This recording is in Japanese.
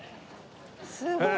すごい！